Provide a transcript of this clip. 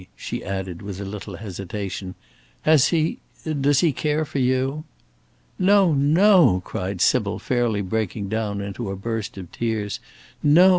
she added, with a little hesitation; "has he does he care for you?" "No! no!" cried Sybil, fairly breaking down into a burst of tears; "no!